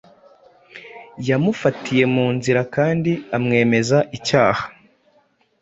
Yamufatiye mu nzira kandi amwemeza icyaha;